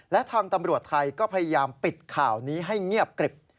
และทางตำรวจไทยก็พยายามปิดข่าวนี้ให้เงียบกริบ